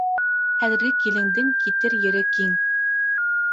Хәҙерге килендең китер ере киң.